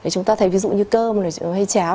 chúng ta thấy ví dụ như cơm hay cháo